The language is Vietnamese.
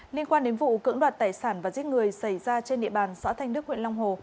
liên quan đến vụ cưỡng đoạt tài sản và giết người xảy ra trên địa bàn xã thanh đức huyện long hồ